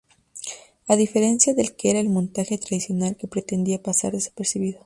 A diferencia del que era el montaje tradicional, que pretendía pasar desapercibido.